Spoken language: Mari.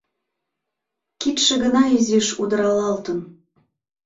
Кидше гына изиш удыралалтын.